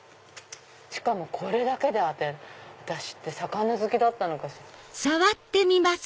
しかもこれだけで当てる私って魚好きだったのかしら。